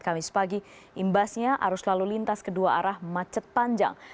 kamis pagi imbasnya harus lalu lintas ke dua arah macet panjang